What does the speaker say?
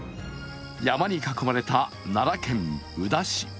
山に囲まれた奈良県宇陀市。